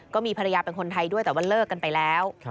ก็มีภรรยาเป็นคนไทยด้วยแต่ว่าเลิกกันไปแล้ว